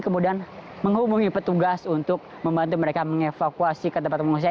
kemudian menghubungi petugas untuk membantu mereka mengevakuasi ke tempat pengungsian